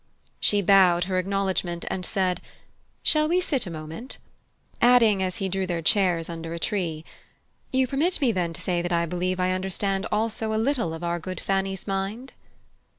She bowed her acknowledgement, and said: "Shall we sit a moment?" adding, as he drew their chairs under a tree: "You permit me, then, to say that I believe I understand also a little of our good Fanny's mind?"